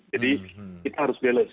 jadi kita harus balance